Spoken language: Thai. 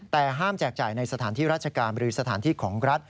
แต่ห้ามแจกจ่ายในสถานที่ราชการหรือสถานที่ของรัฐ